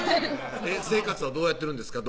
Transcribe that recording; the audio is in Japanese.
生活はどうやってるんですか？